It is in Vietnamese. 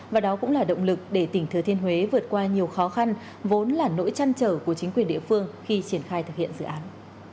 và đó cũng là động lực để tỉnh thừa thiên huế vượt qua nhiều khó khăn vốn là nỗi chăn trở của chính quyền địa phương khi triển khai thực hiện dự án